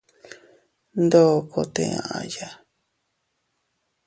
Ndokote aʼya.